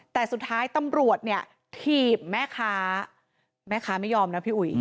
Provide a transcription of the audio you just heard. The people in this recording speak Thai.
แต่สุดท้ายตำรวจเนี่ยถีบแม่ค้าแม่ค้าไม่ยอมนะพี่อุ๋ย